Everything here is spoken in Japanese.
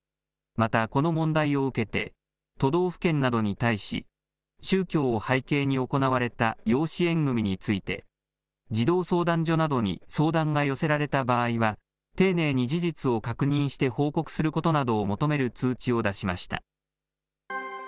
またこの問題を受けて、都道府県などに対し、宗教を背景に行われた養子縁組について、児童相談所などに相談が寄せられた場合は、丁寧に事実を確認して報告することなどを求める通知を出しました。